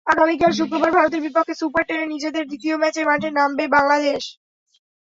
আগামীকাল শুক্রবার ভারতের বিপক্ষে সুপার টেনে নিজেদের দ্বিতীয় ম্যাচে মাঠে নামবে বাংলাদেশ।